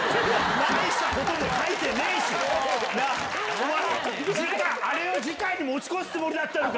お前あれを次回に持ち越すつもりだったのか？